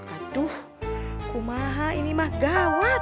aduh kumaha ini mah gawat